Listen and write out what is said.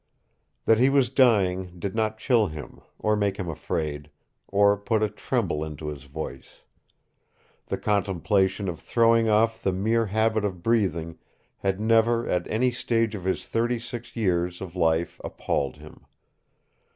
That he was dying did not chill him, or make him afraid, or put a tremble into his voice. The contemplation of throwing off the mere habit of breathing had never at any stage of his thirty six years of life appalled him.